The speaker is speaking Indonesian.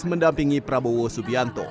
mendampingi prabowo subianto